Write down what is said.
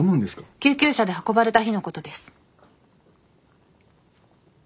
救急車で運ばれた日のことです。